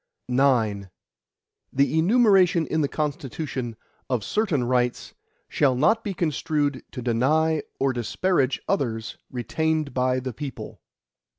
IX The enumeration in the Constitution, of certain rights, shall not be construed to deny or disparage others retained by the people.